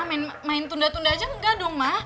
main main tunda tunda aja nggak dong ma